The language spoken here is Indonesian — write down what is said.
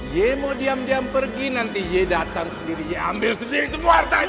ye mau diam diam pergi nanti ye datang sendiri ye ambil sendiri semua harta aja